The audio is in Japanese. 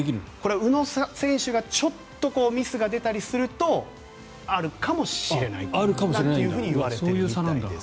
宇野選手がちょっとミスが出たりするとあるかもしれないといわれているわけです。